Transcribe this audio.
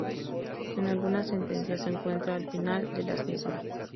En algunas sentencias se encuentra al final de las mismas.